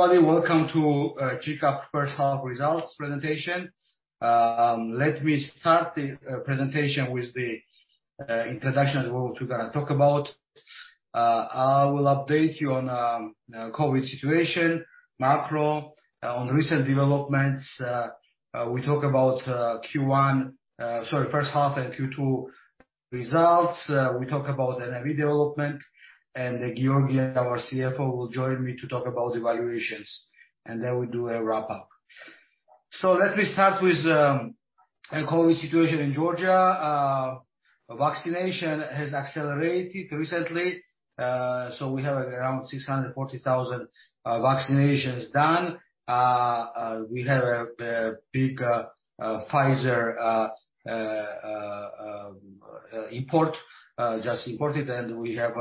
Hello, everybody. Welcome to GCAP first half results presentation. Let me start the presentation with the introduction of what we're going to talk about. I will update you on COVID situation, macro, on recent developments. We talk about Q1 first half and Q2 results. We talk about energy development. Giorgi, our CFO, will join me to talk about evaluations. Then we'll do a wrap-up. Let me start with COVID situation in Georgia. Vaccination has accelerated recently. We have around 640,000 vaccinations done. We have a big Pfizer import, just imported. We have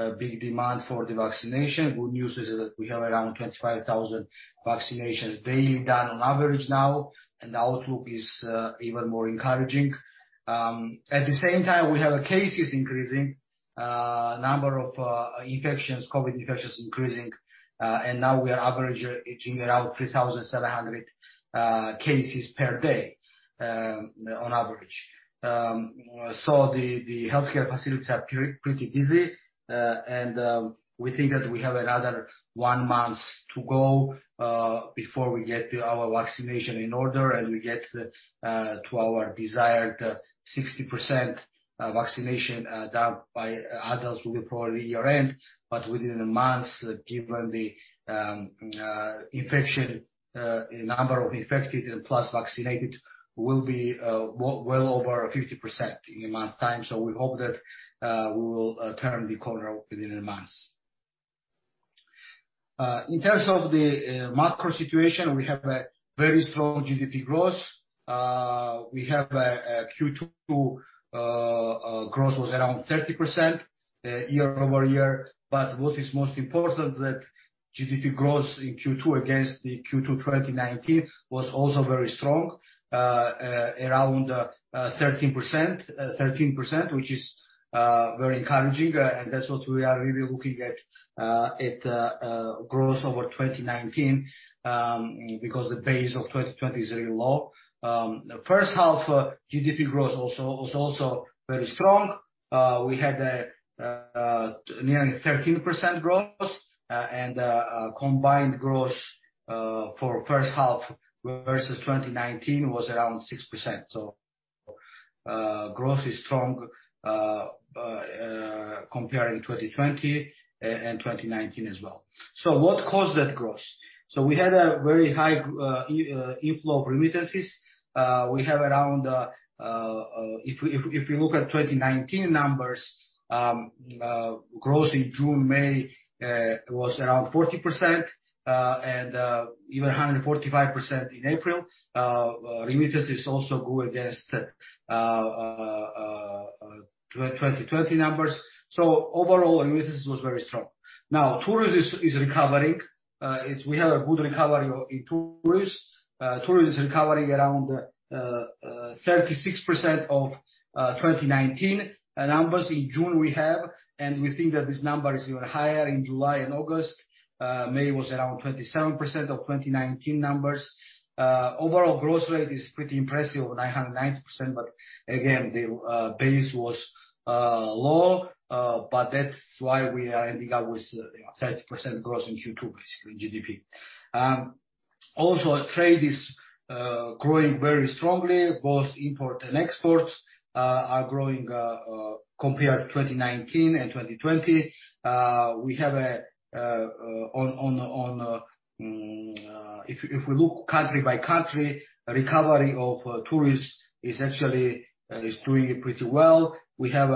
a big demand for the vaccination. Good news is that we have around 25,000 vaccinations daily done on average now. The outlook is even more encouraging. At the same time, we have cases increasing. Number of COVID infections increasing. Now we are averaging around 3,700 cases per day on average. The healthcare facilities are pretty busy. We think that we have another one month to go, before we get our vaccination in order and we get to our desired 60% vaccination done by adults will be probably year-end, but within a month, given the number of infected and plus vaccinated, will be well over 50% in a month's time. We hope that we will turn the corner within a month. In terms of the macro situation, we have a very strong GDP growth. We have Q2 growth was around 30% year over year. What is most important, that GDP growth in Q2 against the Q2 2019 was also very strong, around 13%, which is very encouraging. That's what we are really looking at, growth over 2019, because the base of 2020 is very low. First half GDP growth was also very strong. We had nearly 13% growth, and combined growth, for first half versus 2019 was around six percent. Growth is strong comparing 2020 and 2019 as well. What caused that growth? We had a very high inflow of remittances. If you look at 2019 numbers, growth in June, May, was around 40%, and even 145% in April. Remittances also grew against 2020 numbers. Overall, remittances was very strong. Now tourism is recovering. We have a good recovery in tourism. Tourism is recovering around 36% of 2019 numbers in June we have, and we think that this number is even higher in July and August. May was around 27% of 2019 numbers. overall growth rate is pretty impressive at 990%, but again, the base was low. That's why we are ending up with 30% growth in Q2 basically in GDP. Also, trade is growing very strongly. Both import and exports are growing compared 2019 and 2020. If we look country by country, recovery of tourism is actually doing pretty well. We have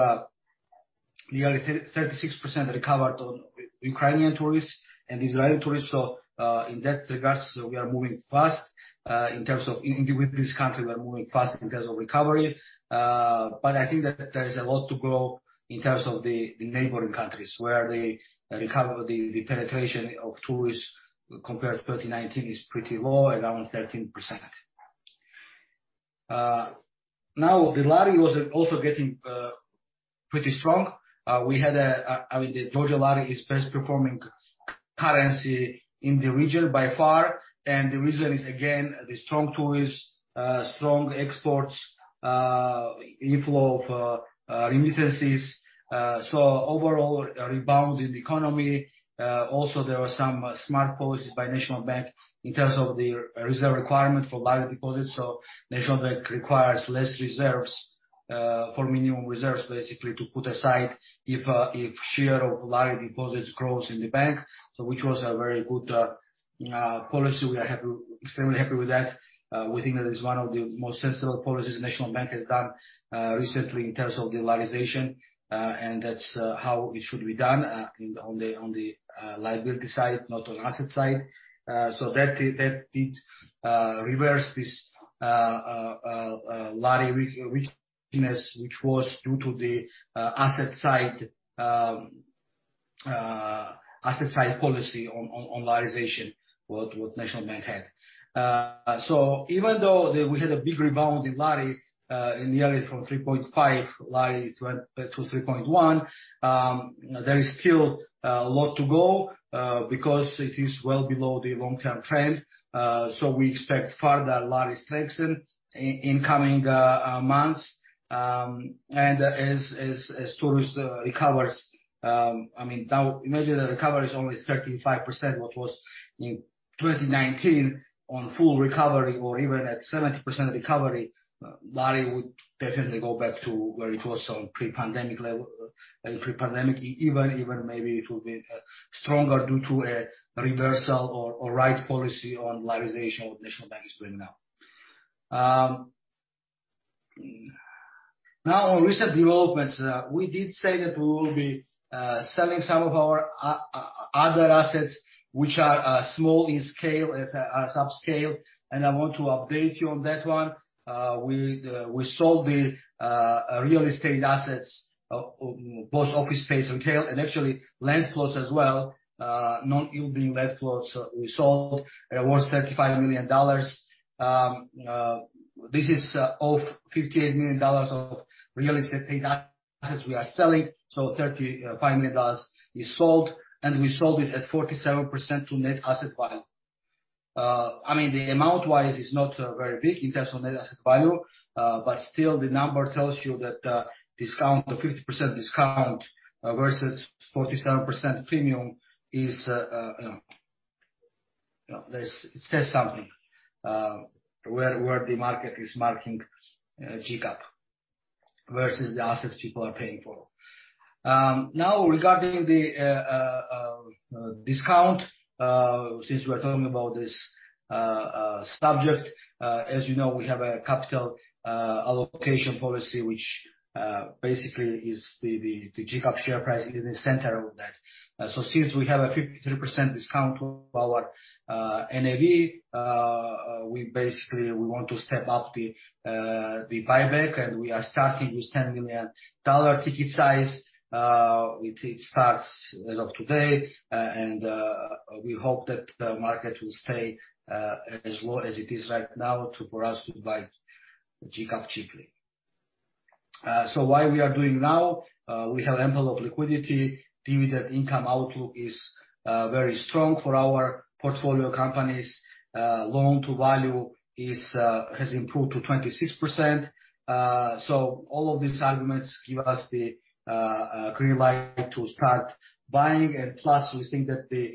nearly 36% recovered on Ukrainian tourists and Israeli tourists. In that regard, we are moving fast. In terms of with this country, we're moving fast in terms of recovery. I think that there is a lot to grow in terms of the neighboring countries, where the recovery, the penetration of tourists compared to 2019 is pretty low, around 13%. The lari was also getting pretty strong. The Georgian lari is best performing currency in the region by far, and the reason is, again, the strong tourism, strong exports, inflow of remittances. Overall, a rebound in the economy. Also there are some smart policies by National Bank in terms of the reserve requirement for lari deposits. National Bank requires less reserves, for minimum reserves, basically to put aside if share of lari deposits grows in the bank. Which was a very good policy. We are extremely happy with that. We think that is one of the most sensible policies National Bank has done recently in terms of the larization. That's how it should be done, on the liability side, not on asset side. That did reverse this lari weakness which was due to the asset side policy on larization-what National Bank had. Even though we had a big rebound in lari, in the area from GEL 3.5 went back to GEL 3.1, there is still a lot to go because it is well below the long-term trend. We expect further lari strengthen in coming months. As tourist recovers, imagine the recovery is only 35%, what was in 2019 on full recovery or even at 70% recovery, lari would definitely go back to where it was on pre-pandemic level. Even maybe it will be stronger due to a reversal or right policy on larization what National Bank is doing now. On recent developments, we did say that we will be selling some of our other assets which are small in scale, subscale, and I want to update you on that one. We sold the real estate assets, both office space and retail, and actually land plots as well, non-yielding land plots we sold. It was GEL 35 million. This is of GEL 58 million of real estate assets we are selling. GEL 35 million is sold, and we sold it at 47% to net asset value. The amount-wise is not very big in terms of net asset value, but still the number tells you that 50% discount versus 47% premium, it says something where the market is marking GCAP versus the assets people are paying for. Now regarding the discount, since you know, we have a capital allocation policy, which basically is the GCAP share price is the center of that. Since we have a 53% discount of our NAV, basically, we want to step up the buyback, and we are starting with $10 million ticket size. It starts as of today, and we hope that the market will stay as low as it is right now for us to buy GCAP cheaply. Why we are doing now, we have ample of liquidity. Dividend income outlook is very strong for our portfolio companies. Loan to value has improved to 26%. All of these arguments give us the green light to start buying, and plus, we think that the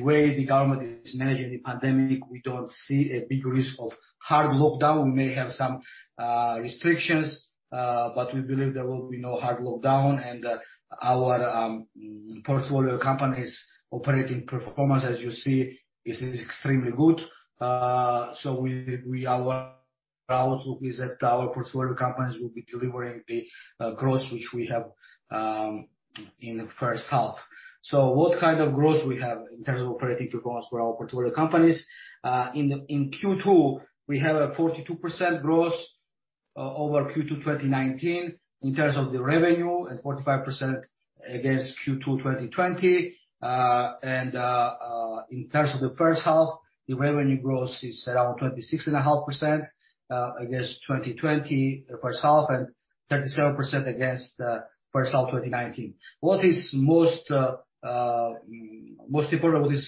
way the government is managing the pandemic, we don't see a big risk of hard lockdown. We may have some restrictions, we believe there will be no hard lockdown. Our portfolio companies operating performance, as you see, is extremely good. Our outlook is that our portfolio companies will be delivering the growth which we have in the first half. What kind of growth we have in terms of operating performance for our portfolio companies? In Q2, we have a 42% growth over Q2 2019 in terms of the revenue, and 45% against Q2 2020. In terms of the first half, the revenue growth is around 26.5% against 2020 first half and 37% against first half 2019. Most important,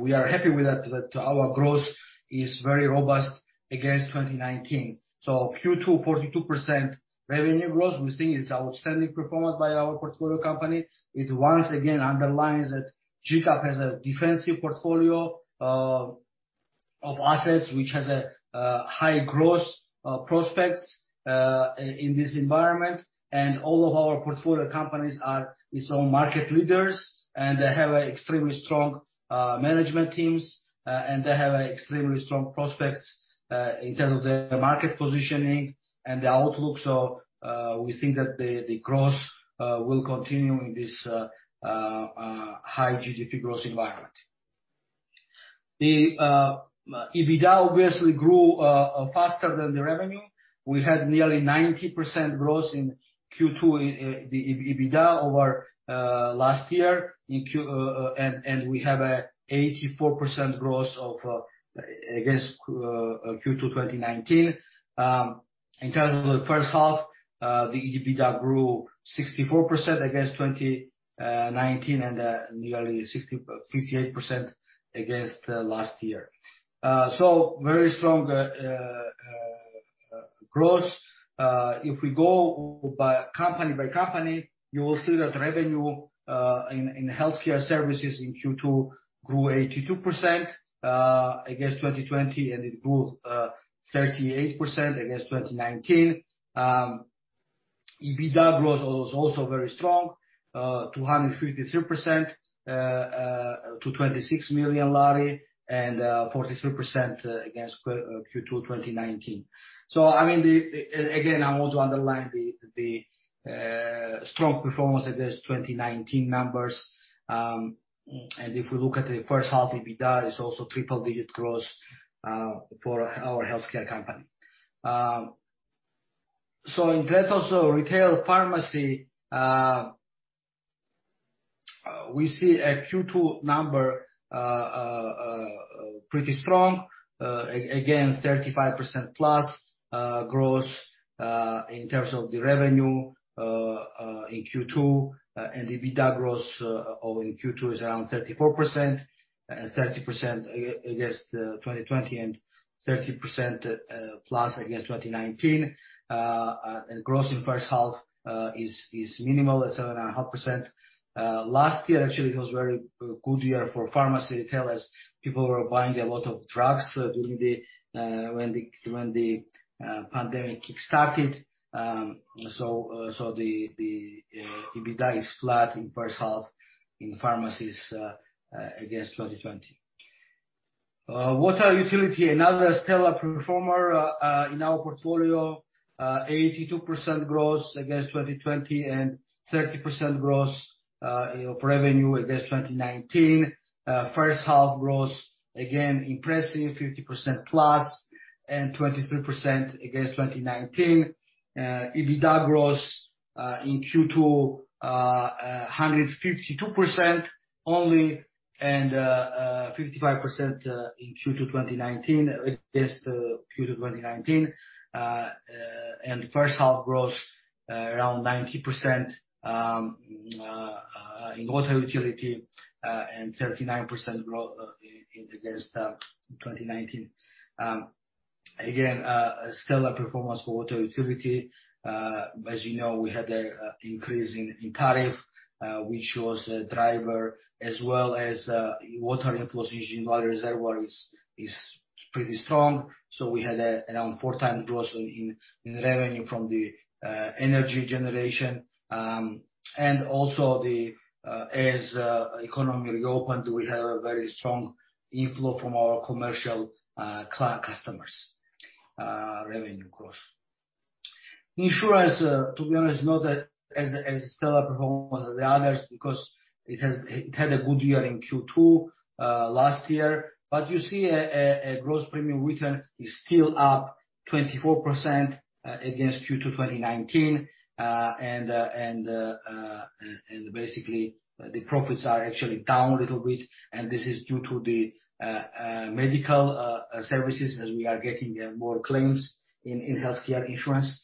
we are happy with that our growth is very robust against 2019. Q2, 42% revenue growth, we think it's outstanding performance by our portfolio company. It once again underlines that GCAP has a defensive portfolio of assets, which has a high growth prospects in this environment. All of our portfolio companies are its own market leaders, and they have extremely strong management teams, and they have extremely strong prospects in terms of their market positioning and the outlook. We think that the growth will continue in this high GDP growth environment. The EBITDA obviously grew faster than the revenue. We had nearly 90% growth in Q2 in the EBITDA over last year. We have a 84% growth against Q2 2019. In terms of the first half, the EBITDA grew 64% against 2019 and nearly 58% against last year. Very strong growth. If we go company by company, you will see that revenue in healthcare services in Q2 grew 82% against 2020, it grew 38% against 2019. EBITDA growth was also very strong, 253% to GEL 26 million and 43% against Q2 2019. Again, I want to underline the strong performance against 2019 numbers. If we look at the first half EBITDA, it's also triple digit growth for our healthcare company. In terms of retail pharmacy, we see a Q2 number pretty strong. Again, 35% plus growth in terms of the revenue in Q2, and EBITDA growth in Q2 is around 34%. 30% against 2020 and 30% plus against 2019. Growth in first half is minimal at 7.5%. Last year actually was very good year for pharmacy, tell us people were buying a lot of drugs when the pandemic started. The EBITDA is flat in first half in pharmacies against 2020. Water utility, another stellar performer in our portfolio. 82% growth against 2020 and 30% growth of revenue against 2019. First half growth, again, impressive 50% plus and 23% against 2019. EBITDA growth in Q2, 152% only and 55% in Q2 2019 against the Q2 2019. First half growth around 90% in water utility and 39% growth against 2019. Again, a stellar performance for water utility. As you know, we had a increase in tariff, which was a driver as well as water inflows in water reservoir is pretty strong. We had around four times growth in revenue from the energy generation. Also as economy reopened, we have a very strong inflow from our commercial customers revenue growth. Insurance, to be honest, not as stellar performer as the others because it had a good year in Q2 last year. You see a gross premiums written is still up 24% against Q2 2019. Basically, the profits are actually down a little bit, and this is due to the healthcare services as we are getting more claims in medical insurance.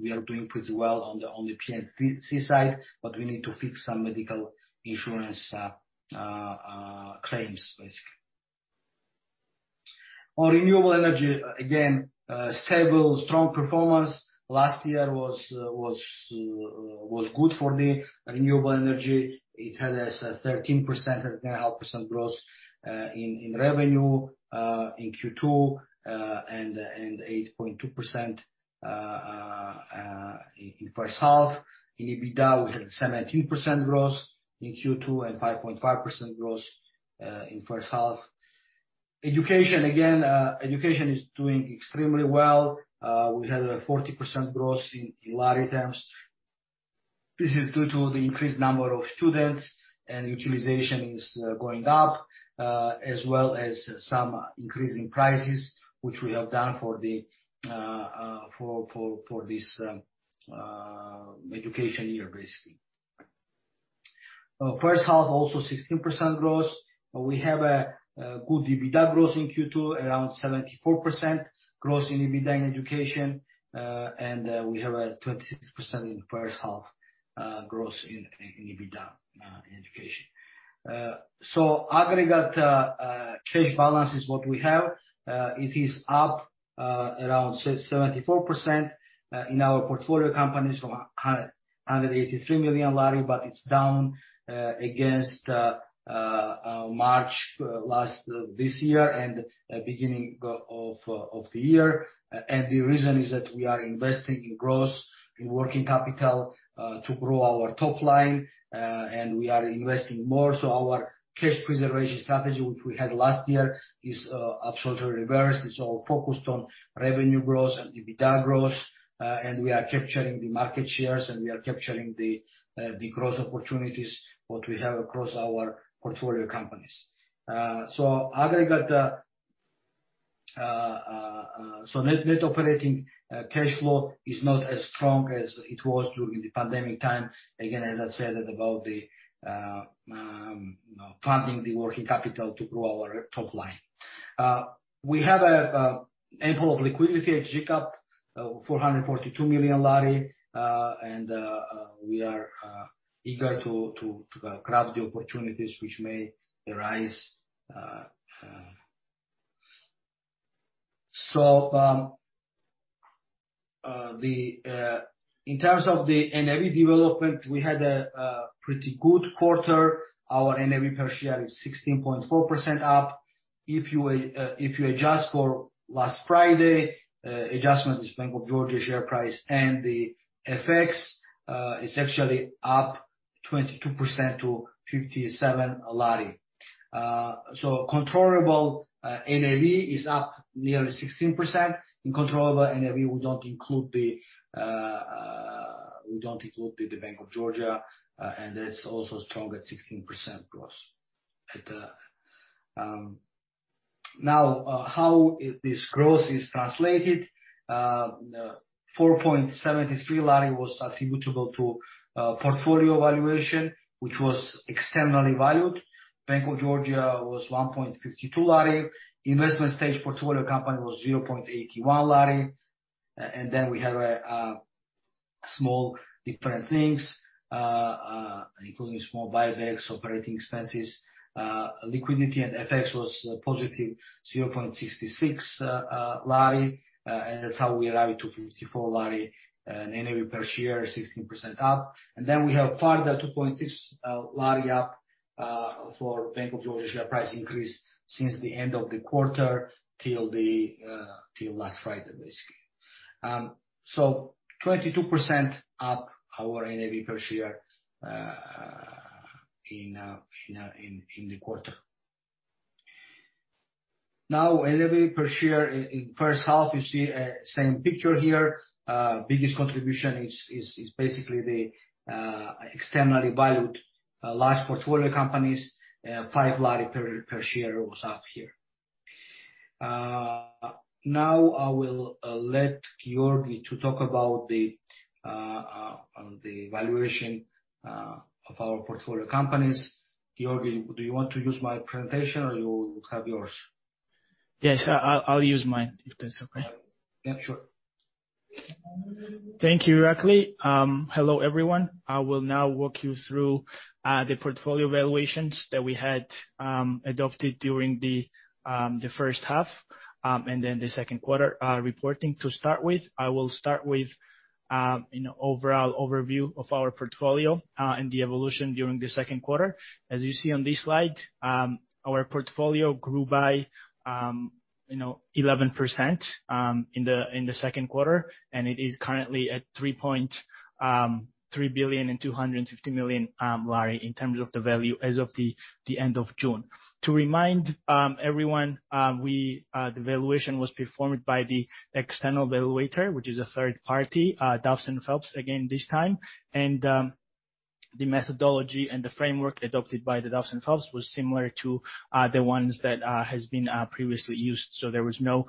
We are doing pretty well on the P&C side, we need to fix some medical insurance claims, basically. On renewable energy, again, stable, strong performance. Last year was good for the renewable energy. It had a 13.5% growth in revenue, in Q2, and 8.2% in first half. In EBITDA, we had 17% growth in Q2 and 5.5% growth in first half. Education, again, education is doing extremely well. We had a 40% growth in lari terms. This is due to the increased number of students and utilization is going up, as well as some increase in prices, which we have done for this education year, basically. First half, also 16% growth. We have a good EBITDA growth in Q2, around 74% growth in EBITDA in education. We have a 26% in first half growth in EBITDA in education. Aggregate cash balance is what we have. It is up around 74% in our portfolio companies from GEL 183 million, but it's down against March this year and beginning of the year. The reason is that we are investing in growth, in working capital, to grow our top line. We are investing more, so our cash preservation strategy, which we had last year, is absolutely reversed. It's all focused on revenue growth and EBITDA growth. We are capturing the market shares, and we are capturing the growth opportunities, what we have across our portfolio companies. Net operating cash flow is not as strong as it was during the pandemic time. Again, as I said, about the funding the working capital to grow our top line. We have a ample of liquidity at GCAP, GEL 442 million. We are eager to grab the opportunities which may arise. In terms of the NAV development, we had a pretty good quarter. Our NAV per share is 16.4% up. If you adjust for last Friday, adjustment is Bank of Georgia share price and the FX, it's actually up 22% to GEL 57. Controllable NAV is up nearly 16%. In controllable NAV, we don't include the Bank of Georgia, and that's also strong at 16% growth. How this growth is translated, GEL 4.73 was attributable to portfolio valuation, which was externally valued. Bank of Georgia was GEL 1.52. Investment stage portfolio company was GEL 0.81. We have small different things, including small buybacks, operating expenses. Liquidity and FX was positive GEL 0.66. That's how we arrive to GEL 54, NAV per share 16% up. We have further GEL 2.6 up for Bank of Georgia price increase since the end of the quarter till last Friday, basically. 22% up our NAV per share in the quarter. NAV per share in first half, you see same picture here. Biggest contribution is basically the externally valued large portfolio companies. GEL 5 per share was up here. I will let Giorgi to talk about the valuation of our portfolio companies. Giorgi, do you want to use my presentation or you have yours? Yes. I'll use mine if that's okay. Yeah, sure. Thank you, Irakli. Hello, everyone. I will now walk you through the portfolio valuations that we had adopted during the first half, and then the Q2 reporting to start with. I will start with overall overview of our portfolio, and the evolution during the Q2. As you see on this slide, our portfolio grew by 11% in the Q2, and it is currently at GEL 3.25 billion in terms of the value as of the end of June. To remind everyone, the valuation was performed by the external evaluator, which is a third party, Duff & Phelps, again this time. The methodology and the framework adopted by Duff & Phelps was similar to the ones that has been previously used. There was no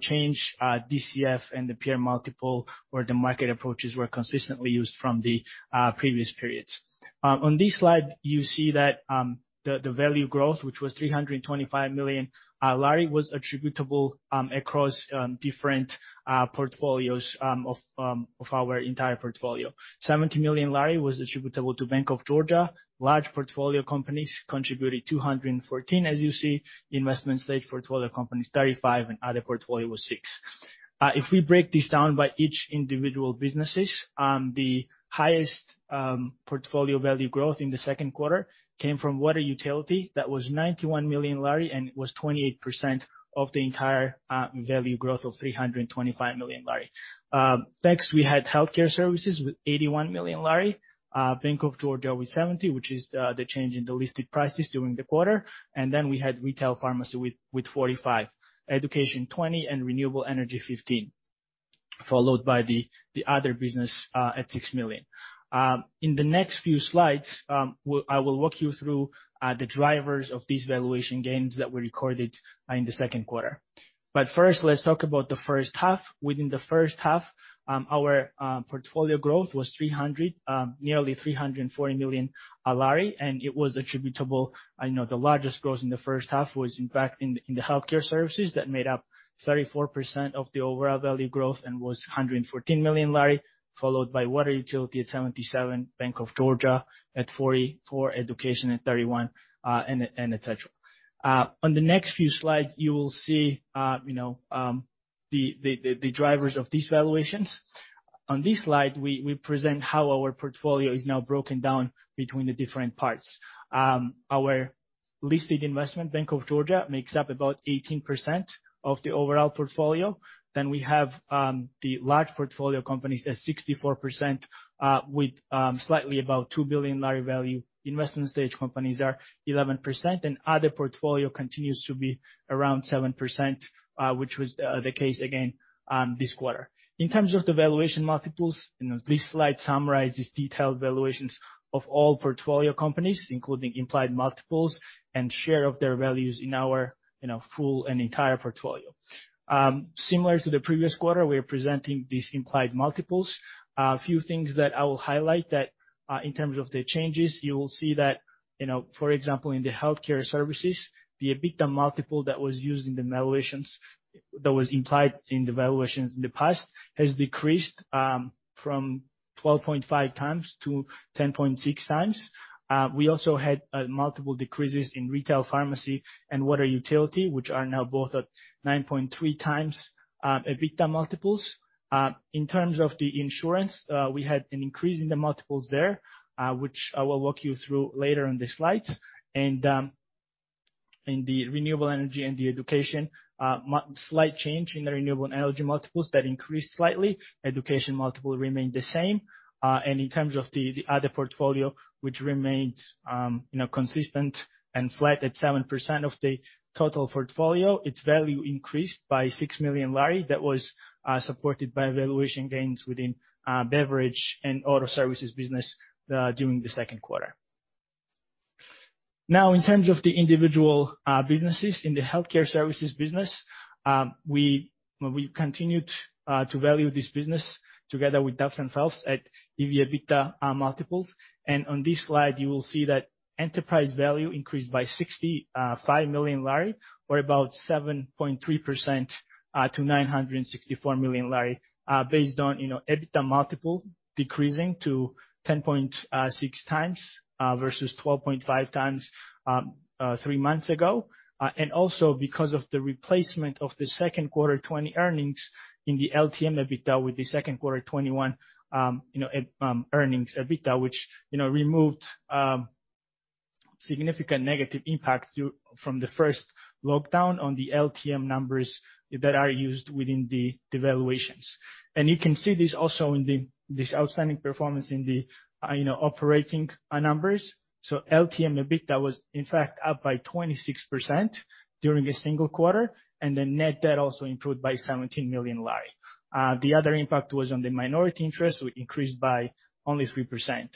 change. DCF and the peer multiple or the market approaches were consistently used from the previous periods. On this slide, you see that the value growth, which was GEL 325 million, was attributable across different portfolios of our entire portfolio. GEL 70 million was attributable to Bank of Georgia. Large portfolio companies contributed GEL 214, as you see. Investment stage portfolio companies GEL 35, and other portfolio was GEL 6. If we break this down by each individual businesses, the highest portfolio value growth in the Q2 came from Water Utility. That was GEL 91 million, and it was 28% of the entire value growth of GEL 325 million. Next, we had Healthcare Services with GEL 81 million. Bank of Georgia with GEL 70, which is the change in the listed prices during the quarter. Then we had Retail Pharmacy with GEL 45. Education GEL 20 and Renewable Energy GEL 15, followed by the Other Business at GEL 6 million. In the next few slides, I will walk you through the drivers of these valuation gains that we recorded in the second quarter. First, let's talk about the first half. Within the first half, our portfolio growth was nearly GEL 340 million, the largest growth in the first half was, in fact, in the Healthcare Services. That made up 34% of the overall value growth, and was GEL 114 million, followed by Water Utility at GEL 77 million, Bank of Georgia at GEL 44 million, Education at GEL 31 million, and et cetera. On the next few slides, you will see the drivers of these valuations. On this slide, we present how our portfolio is now broken down between the different parts. Our listed investment, Bank of Georgia, makes up about 18% of the overall portfolio. We have the large portfolio companies at 64%, with slightly above GEL 2 billion value. Investment stage companies are 11%, and other portfolio continues to be around seven percent, which was the case again this quarter. In terms of the valuation multiples, this slide summarizes detailed valuations of all portfolio companies, including implied multiples and share of their values in our full and entire portfolio. Similar to the previous quarter, we are presenting these implied multiples. A few things that I will highlight that in terms of the changes, you will see that, for example, in the Healthcare Services, the EBITDA multiple that was implied in the valuations in the past has decreased from 12.5x to 10.6x. We also had multiple decreases in Retail Pharmacy and Water Utility, which are now both at 9.3x, EBITDA multiples. In terms of the insurance, we had an increase in the multiples there, which I will walk you through later in the slides. In the renewable energy and the education, slight change in the renewable energy multiples. That increased slightly. Education multiple remained the same. In terms of the other portfolio, which remained consistent and flat at seven percent of the total portfolio, its value increased by GEL 6 million. That was supported by valuation gains within Beverage and Auto Services business during the Q2. In terms of the individual businesses. In the healthcare services business, we continued to value this business together with Duff & Phelps at EV/EBITDA multiples. On this slide, you will see that enterprise value increased by GEL 65 million, or about 7.3% to GEL 964 million, based on EBITDA multiple decreasing to 10.6x versus 12.5x three months ago. Also because of the replacement of the Q2 2020 earnings in the LTM EBITDA with the Q2 2021 earnings EBITDA, which removed significant negative impact from the first lockdown on the LTM numbers that are used within the valuations. You can see this also in this outstanding performance in the operating numbers. LTM EBITDA was, in fact, up by 26% during a single quarter. The net debt also improved by GEL 17 million. The other impact was on the minority interest, which increased by only three percent.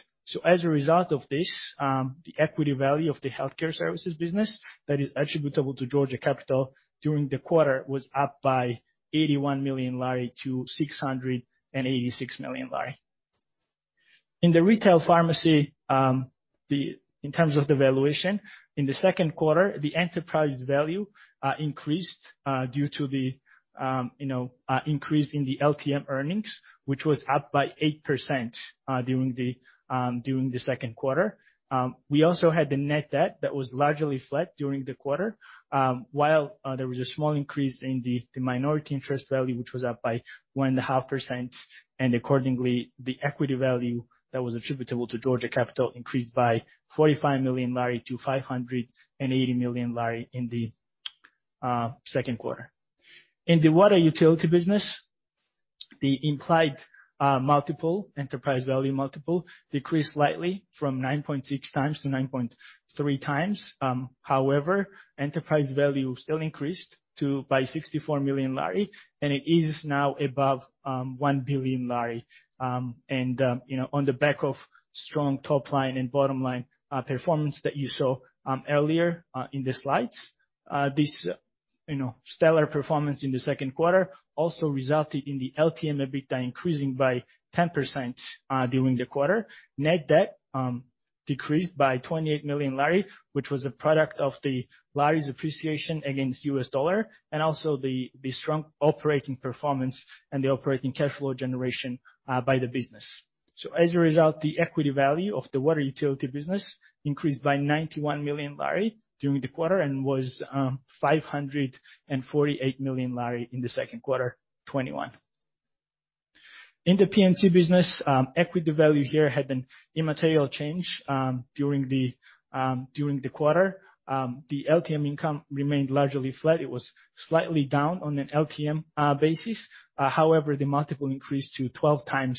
As a result of this, the equity value of the healthcare services business that is attributable to Georgia Capital during the quarter was up by GEL 81 million to GEL 686 million. In the retail pharmacy, in terms of the valuation, in Q2, the enterprise value increased due to the increase in the LTM earnings, which was up by eight percent during Q2. We also had the net debt that was largely flat during the quarter, while there was a small increase in the minority interest value, which was up by 1.5%. Accordingly, the equity value that was attributable to Georgia Capital increased by GEL 45 million to GEL 580 million in Q2. In the water utility business, the implied multiple, enterprise value multiple, decreased slightly from 9.6x-9.3x. However, enterprise value still increased by GEL 64 million, and it is now above GEL 1 billion. On the back of strong top line and bottom-line performance that you saw earlier in the slides. This stellar performance in Q2 also resulted in the LTM EBITDA increasing by 10% during the quarter. Net debt decreased by GEL 28 million, which was a product of the lari's appreciation against U.S dollar and also the strong operating performance and the operating cash flow generation by the business. As a result, the equity value of the water utility business increased by GEL 91 million during the quarter and was GEL 548 million in Q2 2021. In the P&C business, equity value here had an immaterial change during the quarter. The LTM income remained largely flat. It was slightly down on an LTM basis. However, the multiple increased to 12x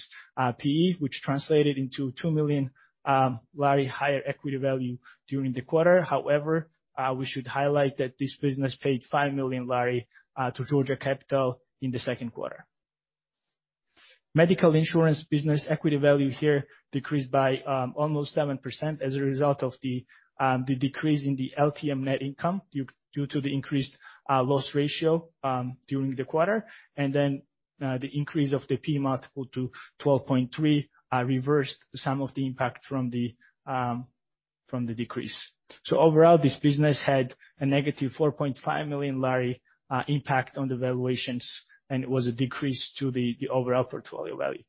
PE, which translated into GEL 2 million higher equity value during the quarter. However, we should highlight that this business paid GEL 5 million to Georgia Capital in Q2. Medical insurance equity value here decreased by almost seven percent as a result of the decrease in the LTM net income due to the increased loss ratio during the quarter. The increase of the P/E multiple to 12.3 reversed some of the impact from the decrease. Overall, this business had a negative GEL 4.5 million impact on the valuations, and it was a decrease to the overall portfolio value.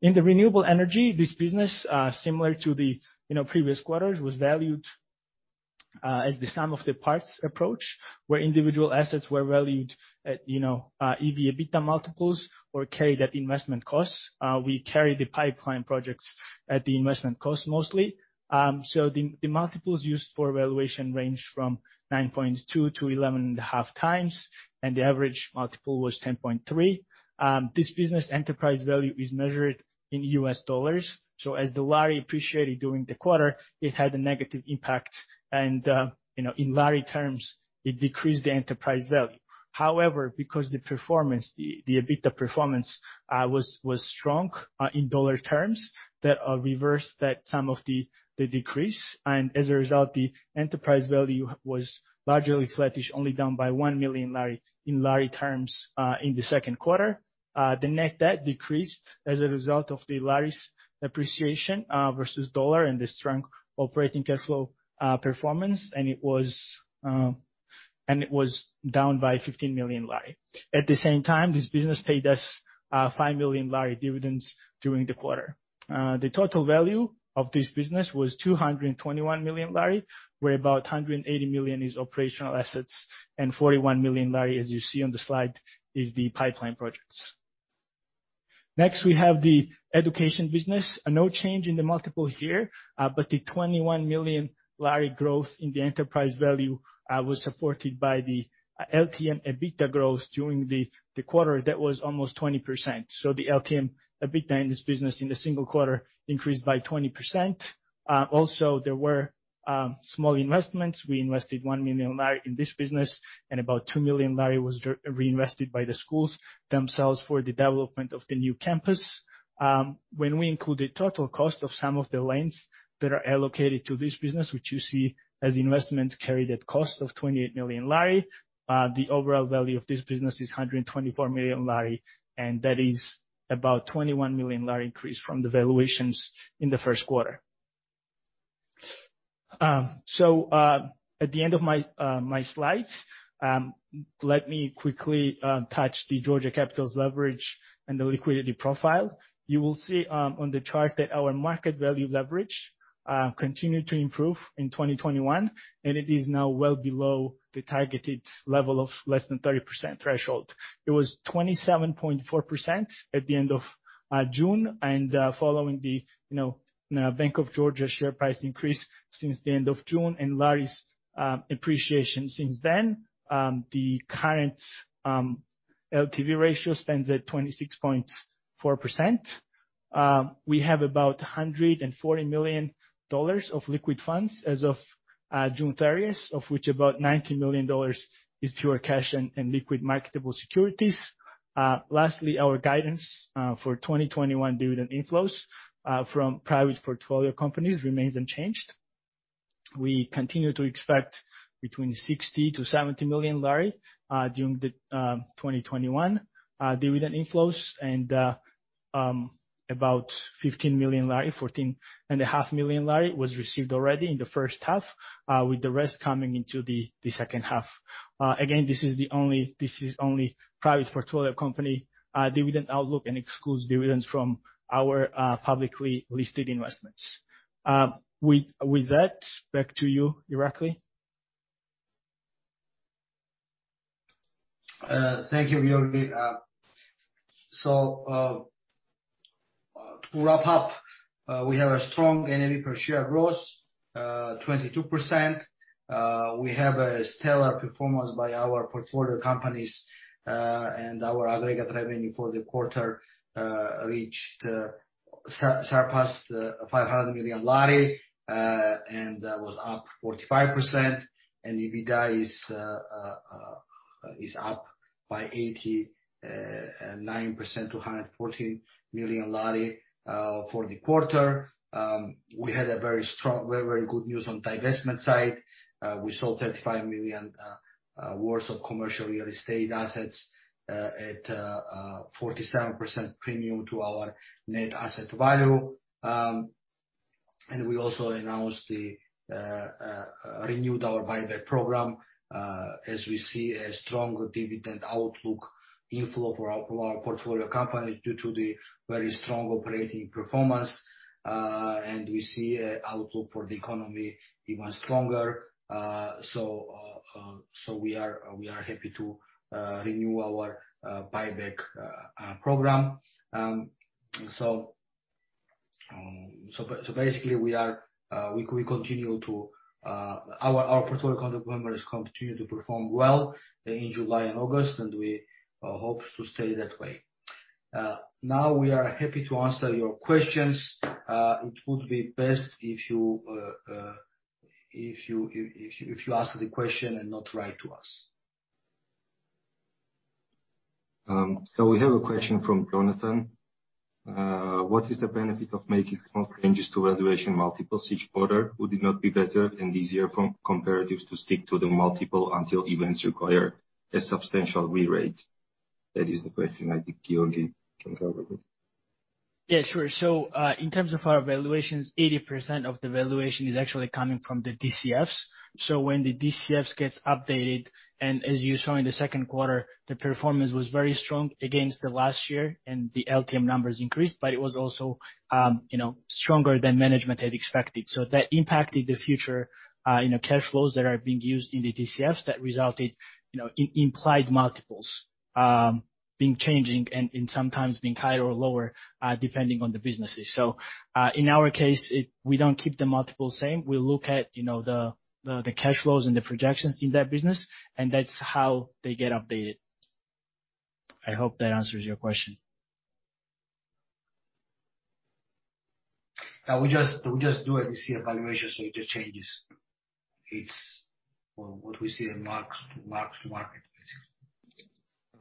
In the renewable energy, this business, similar to the previous quarters, was valued as the sum-of-the-parts approach, where individual assets were valued at EV/EBITDA multiples or carried at investment costs. We carry the pipeline projects at the investment cost mostly. The multiples used for valuation range from 9.2-11.5x, and the average multiple was 10.3. This business enterprise value is measured in U.S dollars. As the lari appreciated during the quarter, it had a negative impact and in lari terms, it decreased the enterprise value. Because the EBITDA performance was strong in dollar terms, that reversed some of the decrease, and as a result, the enterprise value was largely flattish, only down by GEL 1 million in lari terms in Q2. The net debt decreased as a result of the lari's appreciation versus dollar and the strong operating cash flow performance, and it was down by GEL 15 million. At the same time, this business paid us GEL 5 million dividends during the quarter. The total value of this business was GEL 221 million, where about GEL 180 million is operational assets and GEL 41 million, as you see on the slide, is the pipeline projects. We have the education business. No change in the multiple here. The GEL 21 million growth in the enterprise value was supported by the LTM EBITDA growth during the quarter that was almost 20%. The LTM EBITDA in this business in the single quarter increased by 20%. Also, there were small investments. We invested GEL 1 million in this business, and about GEL 2 million was reinvested by the schools themselves for the development of the new campus. When we include the total cost of some of the loans that are allocated to this business, which you see as investments carried at cost of GEL 28 million, the overall value of this business is GEL 124 million, and that is about GEL 21 million increase from the valuations in the Q1. At the end of my slides, let me quickly touch the Georgia Capital's leverage and the liquidity profile. You will see on the chart that our market value leverage continued to improve in 2021, and it is now well below the targeted level of less than 30% threshold. It was 27.4% at the end of June. Following the Bank of Georgia share price increase since the end of June and lari's appreciation since then, the current LTV ratio stands at 26.4%. We have about $140 million of liquid funds as of June 30th, of which about $90 million is pure cash and liquid marketable securities. Lastly, our guidance for 2021 dividend inflows from private portfolio companies remains unchanged. We continue to expect between GEL 60 million-70 million during the 2021 dividend inflows, GEL 15 million, GEL 14.5 million was received already in the first half, with the rest coming into the second half. Again, this is only private portfolio company dividend outlook and excludes dividends from our publicly listed investments. With that, back to you, Irakli. Thank you, Giorgi. To wrap up, we have a strong NAV per share growth, 22%. We have a stellar performance by our portfolio companies, and our aggregate revenue for the quarter surpassed GEL 500 million, and that was up 45%. EBITDA is up by 89%, to GEL 114 million for the quarter. We had a very good news on divestment side. We sold GEL 35 million worth of commercial real estate assets at a 47% premium to our net asset value. We also announced the renewed our buyback program, as we see a stronger dividend outlook inflow for our portfolio companies due to the very strong operating performance. We see a outlook for the economy even stronger. We are happy to renew our buyback program. Basically, our portfolio companies continue to perform well in July and August, and we hope to stay that way. Now, we are happy to answer your questions. It would be best if you ask the question and not write to us. We have a question from Jonathan. What is the benefit of making small changes to valuation multiples each quarter? Would it not be better and easier for comparatives to stick to the multiple until events require a substantial re-rate? That is the question I think Giorgi can cover. Yeah, sure. In terms of our valuations, 80% of the valuation is actually coming from the DCFs. When the DCFs gets updated, and as you saw in the Q2, the performance was very strong against the last year, and the LTM numbers increased, but it was also stronger than management had expected. That impacted the future cash flows that are being used in the DCFs that resulted in implied multiples, being changing and sometimes being higher or lower, depending on the businesses. In our case, we don't keep the multiple the same. We look at the cash flows and the projections in that business, and that's how they get updated. I hope that answers your question. Yeah, we just do it. We see valuation, so it just changes. It's what we see in mark to market,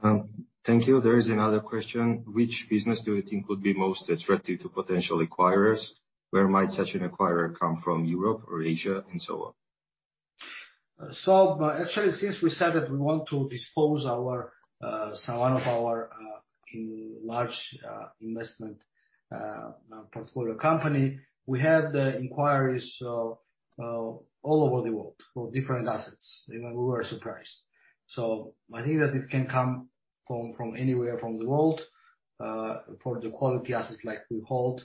basically. Thank you. There is another question. Which business do you think would be most attractive to potential acquirers? Where might such an acquirer come from? Europe or Asia and so on? Actually, since we said that we want to dispose one of our large investment portfolio company, we have the inquiries all over the world for different assets. Even we were surprised. I think that it can come from anywhere from the world, for the quality assets like we hold.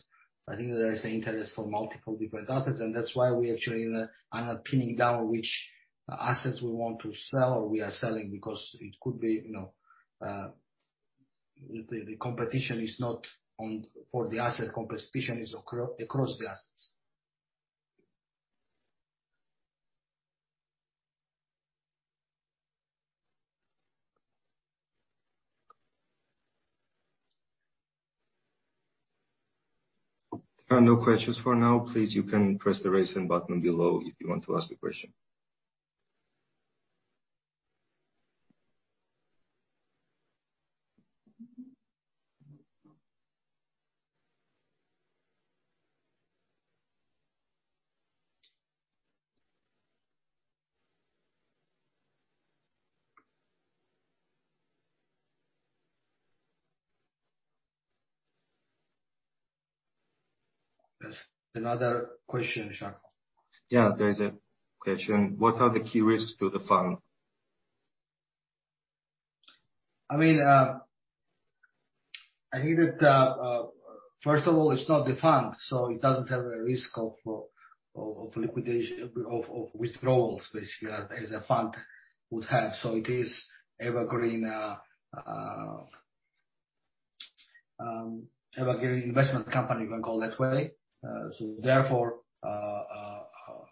I think that there is an interest for multiple different assets, and that's why we actually are not pinning down which assets we want to sell or we are selling because it could be the competition is not for the asset. Competition is across the assets. There are no questions for now. Please, you can press the raise hand button below if you want to ask a question. There's another question, Charles. Yeah, there is a question. What are the key risks to the fund? It's not the fund, so it doesn't have a risk of withdrawals, basically, as a fund would have. It is evergreen investment company, you can call that way.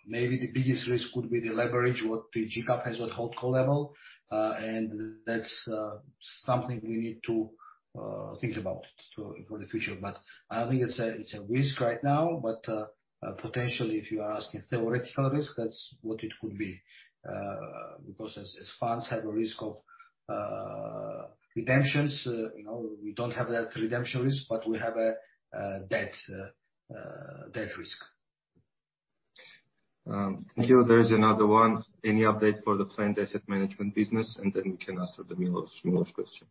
Maybe the biggest risk would be the leverage, what the GCAP has on holdco level. That's something we need to think about for the future. I don't think it's a risk right now. Potentially, if you are asking theoretical risk, that's what it could be. As funds have a risk of redemptions, we don't have that redemption risk, but we have a debt risk. Thank you. There is another one. Any update for the planned asset management business? Then we can answer the Milos question.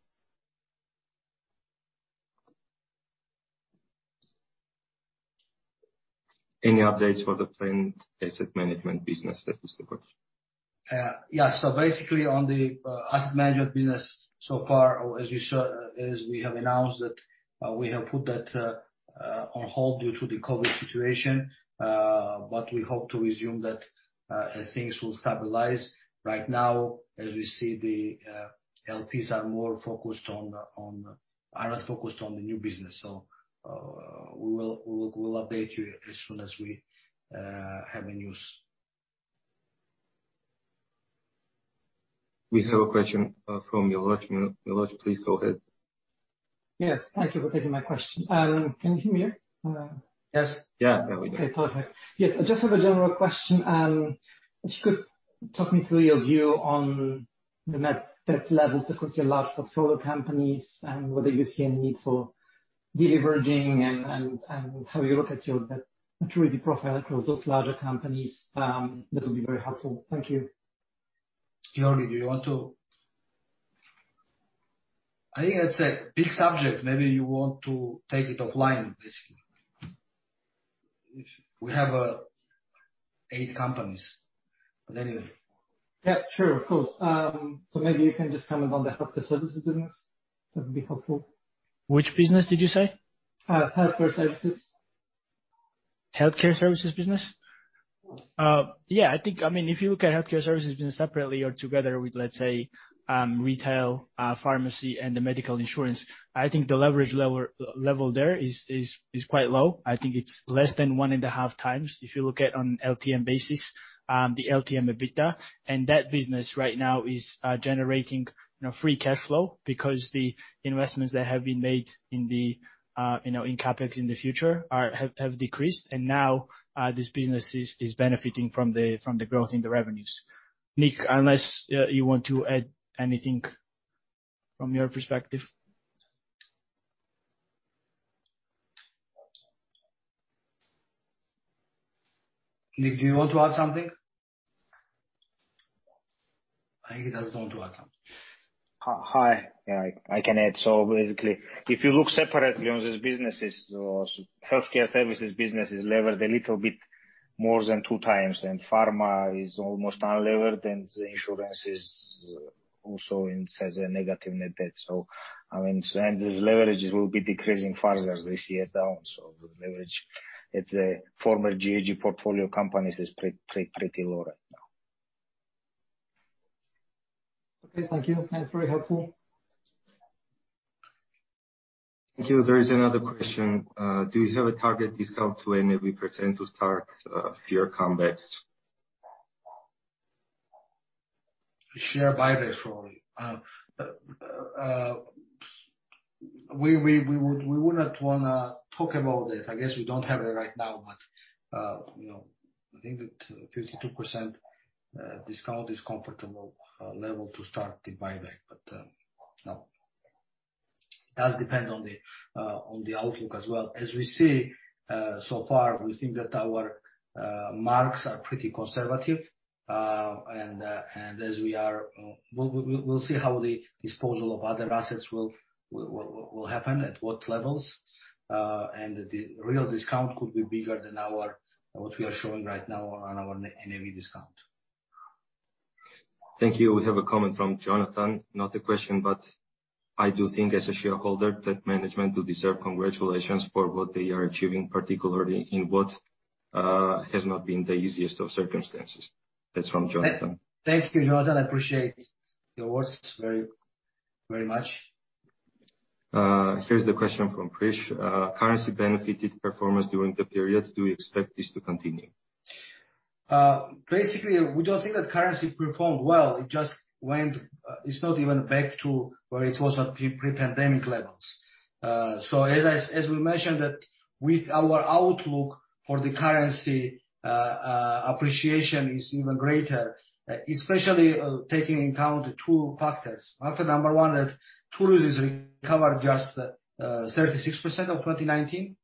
Any updates for the planned asset management business? That is the question. Yeah. Basically, on the asset management business so far, or as you saw, as we have announced that we have put that on hold due to the COVID situation. We hope to resume that as things will stabilize. Right now, as we see, the LPs are not focused on the new business. We will update you as soon as we have the news. We have a question from Milos. Milos, please go ahead. Yes, thank you for taking my question. Can you hear me? Yes. Yeah, there we go. Okay, perfect. Yes, I just have a general question. If you could talk me through your view on the net debt levels across your large portfolio companies and whether you see any need for de-leveraging and how you look at your net maturity profile across those larger companies, that would be very helpful. Thank you. Giorgi, I think it's a big subject. Maybe you want to take it offline, basically. We have eight companies. Anyway. Yeah, sure. Of course. Maybe you can just comment on the healthcare services business. That would be helpful. Which business did you say? Healthcare services. Healthcare services business? Yeah. If you look at Healthcare services, be it separately or together with, let's say, retail pharmacy, and medical insurance, I think the leverage level there is quite low. I think it's less than 1.5x. If you look at on LTM basis, the LTM EBITDA. That business right now is generating free cash flow because the investments that have been made in CapEx in the future have decreased, and now this business is benefiting from the growth in the revenues. Nick, unless you want to add anything from your perspective. Nick, do you want to add something? I think he doesn't want to add something. Hi. Yeah, I can add. Basically, if you look separately on these businesses, healthcare services business is levered a little bit more than 2x, and pharma is almost unlevered, and the insurance is also has a negative net debt. This leverage will be decreasing further as they see it down. The leverage at the former GAG portfolio companies is pretty low right now. Okay. Thank you. That's very helpful. Thank you. There is another question. Do you have a target discount to NAV, you intend to start share buybacks? Share buybacks, sorry. We would not want to talk about it. I guess we don't have it right now, but I think that 52% discount is comfortable level to start the buyback. No. It does depend on the outlook as well. As we see so far, we think that our marks are pretty conservative. We'll see how the disposal of other assets will happen, at what levels. The real discount could be bigger than what we are showing right now on our NAV discount. Thank you. We have a comment from Jonathan. Not a question, but, "I do think as a shareholder that management do deserve congratulations for what they are achieving, particularly in what has not been the easiest of circumstances." That's from Jonathan. Thank you, Jonathan. I appreciate your words very much. Here's the question from Krish. Currency benefited performance during the period. Do you expect this to continue? Basically, we don't think that currency performed well. It's not even back to where it was at pre-pandemic levels. As we mentioned that with our outlook for the currency, appreciation is even greater, especially taking into account two factors. Factor number one, that tourism has recovered just 36% of 2019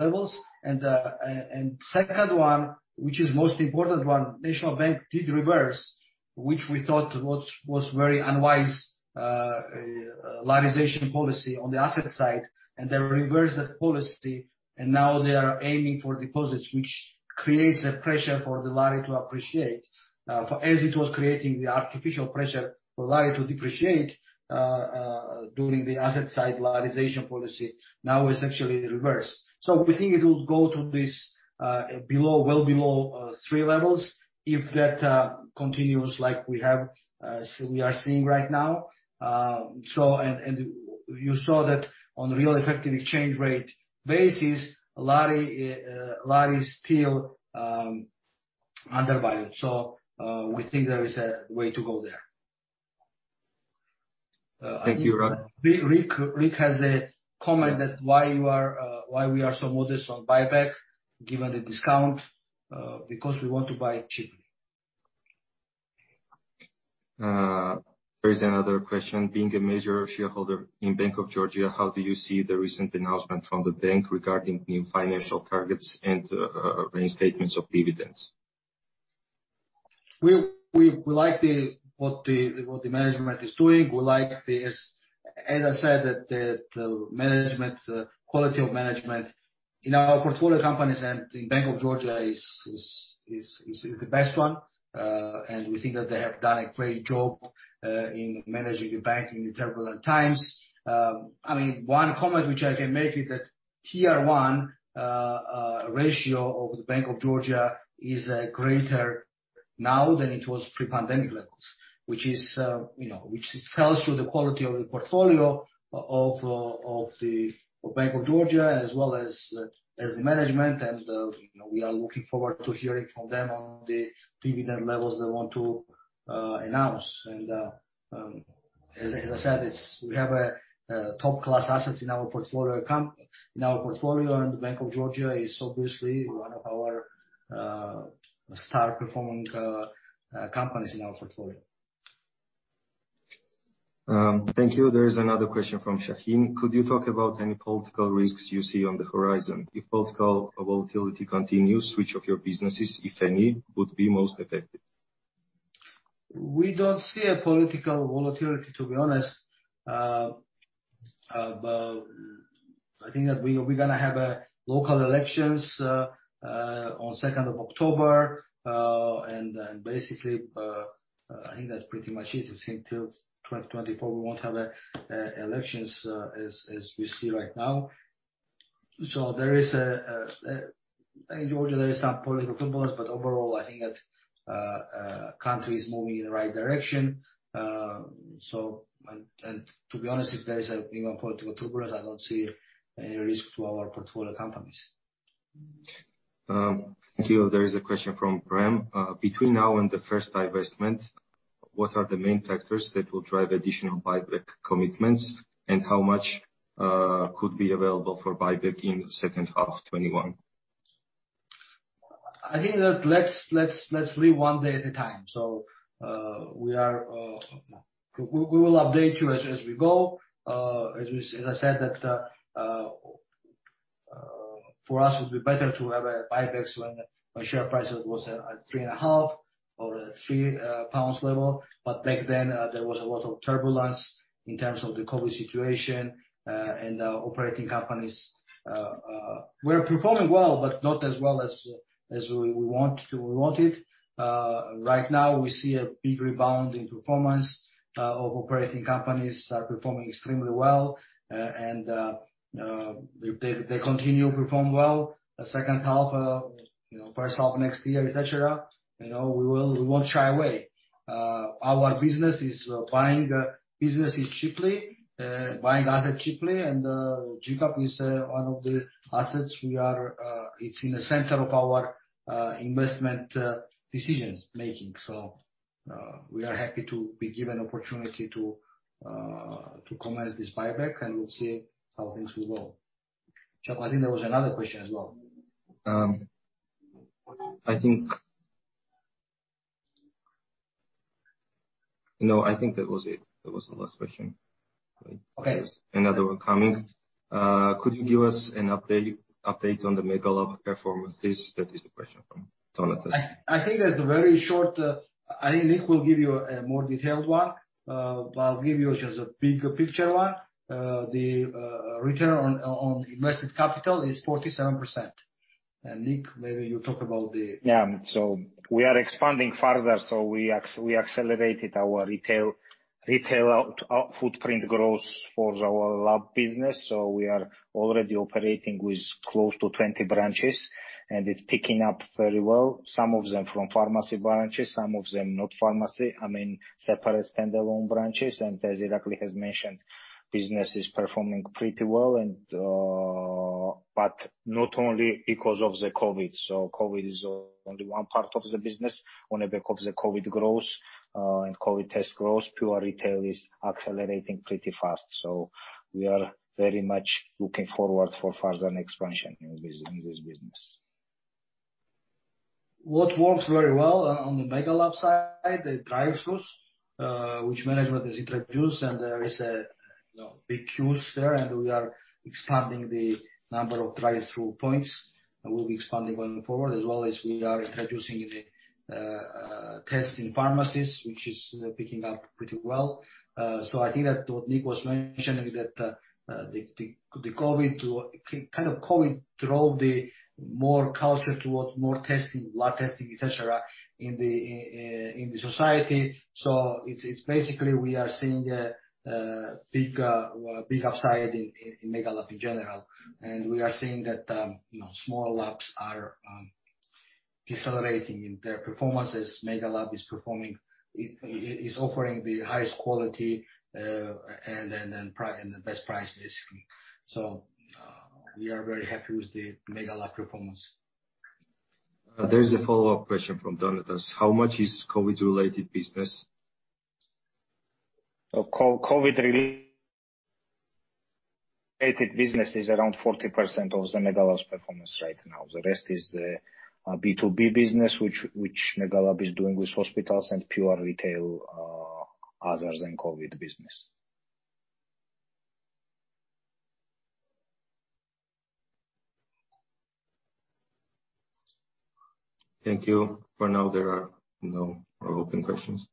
levels. Second one, which is most important one, National Bank did reverse, which we thought was very unwise larization policy on the asset side, and they reversed that policy and now they are aiming for deposits, which creates a pressure for the lari to appreciate. As it was creating the artificial pressure for lari to depreciate during the asset side larization policy, now it's actually the reverse. We think it will go to this well below three levels if that continues like we are seeing right now. You saw that on real effective exchange rate basis, lari is still undervalued. We think there is a way to go there. Thank you, Irakli. Nick has a comment that why we are so modest on buyback given the discount. Because we want to buy cheaply. There is another question. Being a major shareholder in Bank of Georgia, how do you see the recent announcement from the bank regarding new financial targets and restatements of dividends? We like what the management is doing. As I said, the quality of management in our portfolio companies and in Bank of Georgia is the best one. We think that they have done a great job in managing the bank in the turbulent times. One comment which I can make is that Tier 1 ratio of the Bank of Georgia is greater now than it was pre-pandemic levels. Which tells you the quality of the portfolio of the Bank of Georgia as well as the management. We are looking forward to hearing from them on the dividend levels they want to announce. As I said, we have top class assets in our portfolio, and Bank of Georgia is obviously one of our star-performing companies in our portfolio. Thank you. There is another question from Shahim. Could you talk about any political risks you see on the horizon? If political volatility continues, which of your businesses, if any, would be most affected? We don't see a political volatility, to be honest. I think that we are going to have local elections on 2nd of October. Basically, I think that's pretty much it. I think till 2024, we won't have elections, as we see right now. In Georgia, there is some political turbulence, but overall, I think that country is moving in the right direction. To be honest, if there is political turbulence, I don't see any risk to our portfolio companies. Thank you. There is a question from Bram. Between now and the first divestment, what are the main factors that will drive additional buyback commitments? How much could be available for buyback in second half 2021? I think let's live one day at a time. We will update you as we go. As I said, that for us, it would be better to have buybacks when share price was at 3.5 GBP or at 3 pounds level. Back then, there was a lot of turbulence in terms of the COVID situation and our operating companies were performing well, but not as well as we wanted. Right now, we see a big rebound in performance. Our operating companies are performing extremely well. If they continue to perform well the second half, first half of next year, et cetera, we won't shy away. Our business is buying businesses cheaply, buying asset cheaply, and GCAP is one of the assets. It's in the center of our investment decisions making. We are happy to be given opportunity to commence this buyback, and we'll see how things will go. Chuck, I think there was another question as well. No, I think that was it. That was the last question. Okay. There's another one coming. Could you give us an update on the Megalab performance? That is a question from Jonathan. I think that's very short. I think Nick will give you a more detailed one. I'll give you just a big picture one. The return on invested capital is 47%. Nick, maybe you talk about. Yeah. We are expanding further. We accelerated our retail footprint growth for our Megalab. We are already operating with close to 20 branches, and it's picking up very well. Some of them from pharmacy branches, some of them not pharmacy, separate standalone branches. As Irakli has mentioned, business is performing pretty well. Not only because of the COVID. COVID is only one part of the business. On the back of the COVID growth, and COVID test growth, pure retail is accelerating pretty fast. We are very much looking forward for further expansion in this business. What works very well on the Megalab side, the drive throughs which management has introduced, and there is big queues there, and we are expanding the number of drive-through points, and we'll be expanding going forward, as well as we are introducing the test in pharmacies, which is picking up pretty well. I think that what Nick was mentioning, that the COVID drove the more culture towards more testing, lab testing, et cetera, in the society. It's basically we are seeing a big upside in Megalab in general. We are seeing that small labs are decelerating in their performances. Megalab is offering the highest quality, and the best price basically. We are very happy with the Megalab performance. There's a follow-up question from Donatas. How much is COVID-related business? COVID-related business is around 40% of the Megalab's performance right now. The rest is B2B business, which Megalab is doing with hospitals and pure retail, other than COVID business. Thank you. For now, there are no open questions.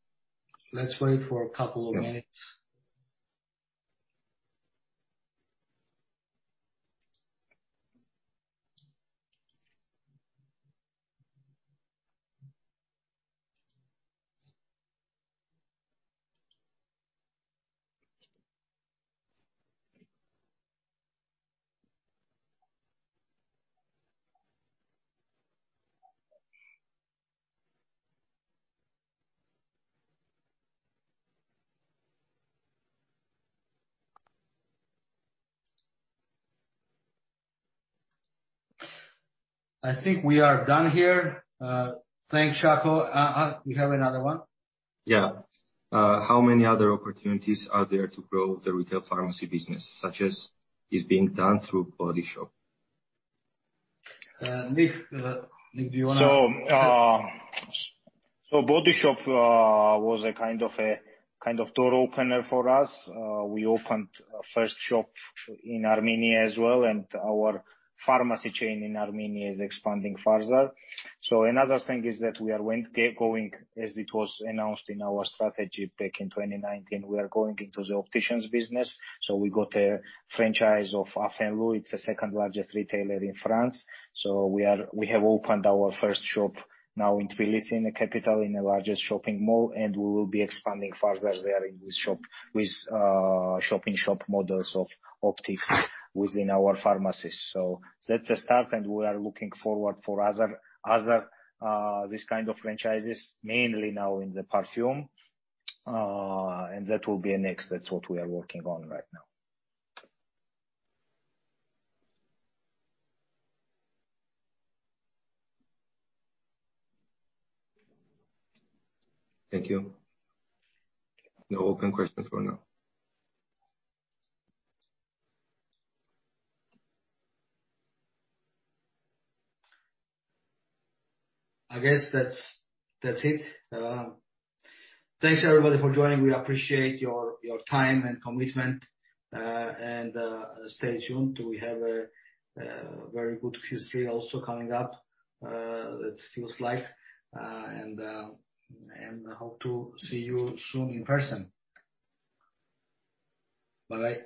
Let's wait for a couple of minutes. Yeah. I think we are done here. Thanks, Shako. We have another one? Yeah. How many other opportunities are there to grow the retail pharmacy business, such as is being done through The Body Shop? Nick, do you want to- Body Shop was a kind of door opener for us. We opened first shop in Armenia as well, and our pharmacy chain in Armenia is expanding further. Another thing is that we are going, as it was announced in our strategy back in 2019, we are going into the optician's business. We got a franchise of Afflelou. It's the second largest retailer in France. We have opened our first shop now in Tbilisi, in the capital, in the largest shopping mall, and we will be expanding further there in this shop with shop in shop models of optics within our pharmacies. That's a start, and we are looking forward for other this kind of franchises, mainly now in the perfume. That will be a next. That's what we are working on right now. Thank you. No open questions for now. I guess that's it. Thanks everybody for joining. We appreciate your time and commitment. Stay tuned. We have a very good Q3 also coming up. We hope to see you soon in person. Bye-bye.